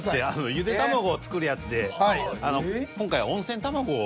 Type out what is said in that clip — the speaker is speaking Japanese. ゆで卵を作るやつで今回温泉卵を。